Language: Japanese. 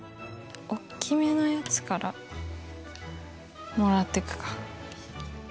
おっきめのやつからもらってくか。